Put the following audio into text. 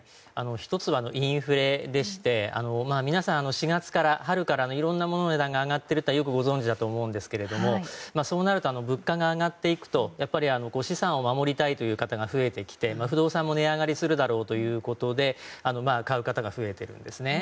１つはインフレでして皆さん春からいろんなものの値段が上がっていることはよくご存じだと思いますがそうなると物価が上がっていくとご資産を守りたいという方が増えてきて不動産も値上がりするだろうということで買う方が増えているんですね。